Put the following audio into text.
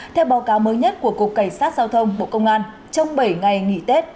theo báo cáo mới nhất của cục cảnh sát giao thông bộ công an trong bảy ngày nghỉ tết